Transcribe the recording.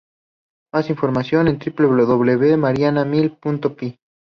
Más información en www.marina.mil.pe